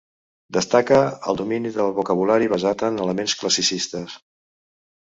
Destaca el domini del vocabulari basat en elements classicistes.